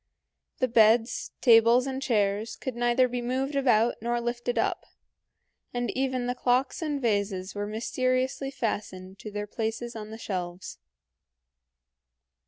The beds, tables, and chairs could neither be moved about nor lifted up, and even the clocks and vases were mysteriously fastened to their places on the shelves.